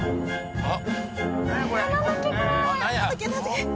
あっ